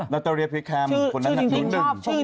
นาตาเรียเพียร์แคมคนนั้นคือหนึ่ง